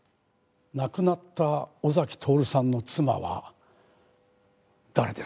亡くなった尾崎徹さんの妻は誰ですか？